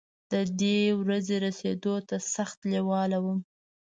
ددې ورځې رسېدو ته سخت لېوال وم.